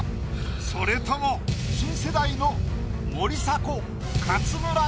それとも新世代の森迫勝村か？